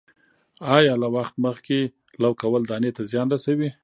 آیا له وخت مخکې لو کول دانې ته زیان رسوي؟